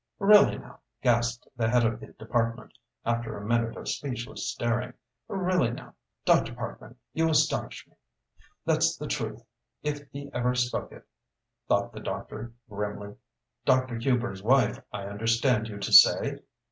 "Really, now," gasped the head of the department, after a minute of speechless staring, "really, now, Dr. Parkman, you astonish me." "That's the truth, if he ever spoke it," thought the doctor grimly." Dr. Hubers' wife, I understand you to say?"